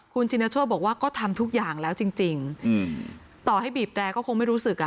คุณชินโชธบอกว่าก็ทำทุกอย่างแล้วจริงต่อให้บีบแรร์ก็คงไม่รู้สึกอ่ะ